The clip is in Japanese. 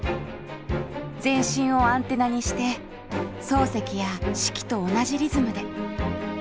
全身をアンテナにして漱石や子規と同じリズムで。